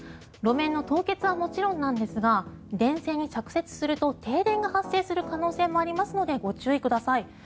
路面の凍結はもちろんなんですが電線に着雪すると停電が発生する可能性もありますのでご注意ください。